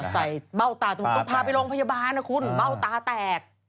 เบ้าตาตรงพาไปโรงพยาบาลนะคุณเบ้าตาแตก